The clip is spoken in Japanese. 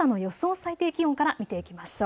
最低気温から見ていきましょう。